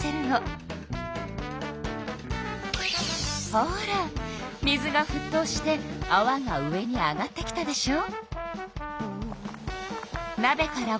ほら水がふっとうしてあわが上に上がってきたでしょう？